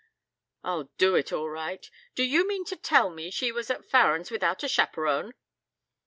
"I'll do it all right. D'you mean to tell me she was at Farren's without a chaperon?"